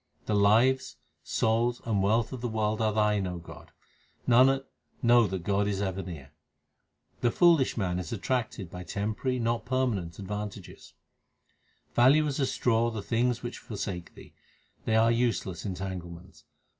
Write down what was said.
The lives, souls, and wealth of the world are Thine, O God. Nanak, know that God is ever near. The foolish man is attracted by temporary not permanent advantages : Value as a straw the things which forsake thee ; l They are useless entanglements.